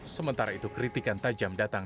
sementara itu kritikan tajam datang